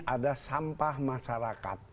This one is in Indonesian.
ada sampah masyarakat